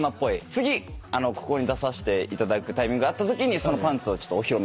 次ここに出させていただくタイミングがあったときにそのパンツをお披露目。